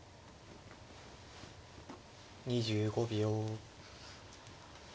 ２５秒。